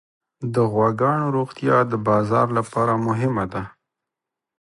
د غواګانو روغتیا د بازار لپاره مهمه ده.